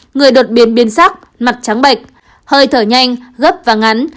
người đột biến biên sắc mặt trắng bệnh hơi thở nhanh gấp và ngắn